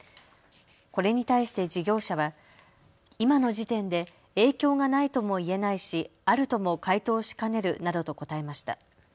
これに対して事業者は今の時点で影響がないとも言えないしあるとも回答しかねるなどと答えました。